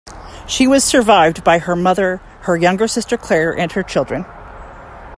She was survived by her mother, her younger sister Claire and her children.